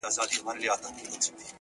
جوهر هغه حسن وي